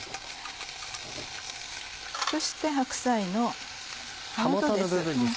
そして白菜の葉元です。